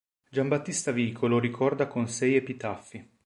Giambattista Vico lo ricorda con sei epitaffi.